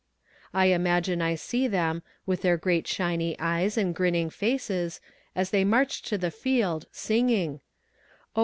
I imagine I see them, with their great shiny eyes and grinning faces, as they march to the field, singing Oh!